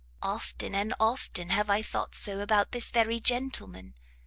Often and often have I thought so about this very gentleman!